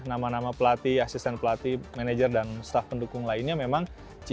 nama nama pelatih asisten pelatih manajer dan staf pendukung lainnya memang